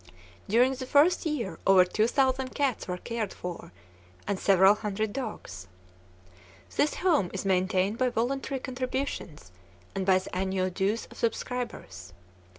During the first year over two thousand cats were cared for, and several hundred dogs. This home is maintained by voluntary contributions and by the annual dues of subscribers.